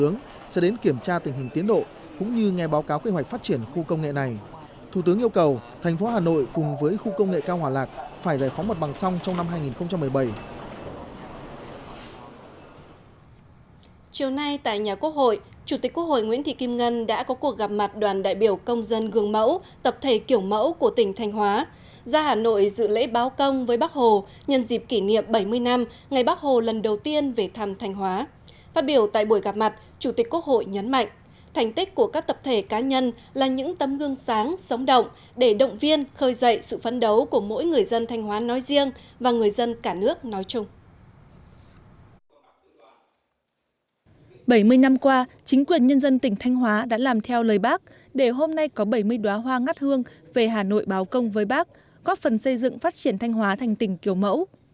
bảy mươi năm qua chính quyền nhân dân tỉnh thanh hóa đã làm theo lời bác để hôm nay có bảy mươi đoá hoa ngắt hương về hà nội báo công với bác góp phần xây dựng phát triển thanh hóa thành tỉnh kiểu mẫu